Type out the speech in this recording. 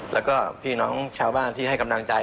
แล้วก็พี่น้องชาวบ้านที่ให้กำลังใจ